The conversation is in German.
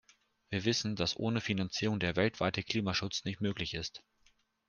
Wir wissen, dass ohne Finanzierung der weltweite Klimaschutz nicht möglich ist.